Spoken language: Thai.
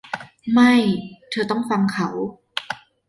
ไม่ เธอต้องฟังเขา